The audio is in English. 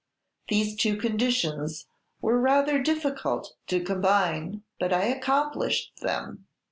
These two conditions were rather difficult to combine, but I accomplished them.